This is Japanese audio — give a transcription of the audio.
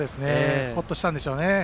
ほっとしたんでしょうね。